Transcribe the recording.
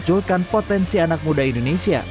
dan memunculkan potensi anak muda indonesia